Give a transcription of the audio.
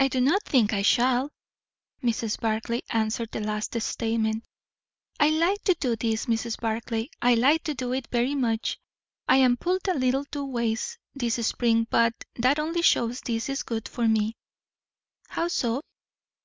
"I do not think I shall " Mrs. Barclay answered the last statement. "I like to do this, Mrs. Barclay. I like to do it very much. I am pulled a little two ways this spring but that only shows this is good for me." "How so?"